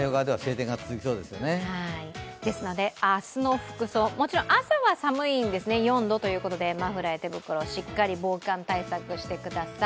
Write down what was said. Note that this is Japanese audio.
ですので明日の服装、もちろん朝は寒いんですね、４度ということでマフラーや手袋でしっかり防寒対策してください。